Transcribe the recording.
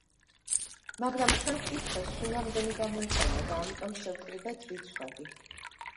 მაგრამ ჩვენ გვკითხეს სულ რამდენი გამოიყენა ამიტომ შევკრიბეთ რიცხვები.